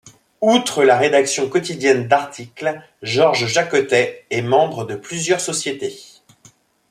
Outre la rédaction quotidienne d'articles, Georges Jaccottet est membre de plusieurs sociétés.